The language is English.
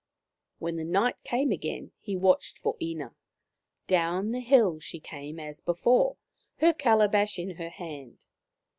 When night came again he watched for Ina. Down the hill she came as before, her calabash in her hand.